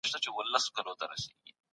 د انسان اراده د هغه په لاس کي ده.